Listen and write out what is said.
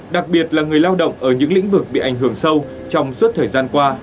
đặc biệt là người lao động ở những lĩnh vực bị ảnh hưởng sâu trong suốt thời gian qua